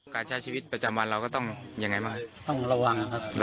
การใช้ชีวิตประจำวันเราก็ต้องยังไงบ้างต้องระวังครับ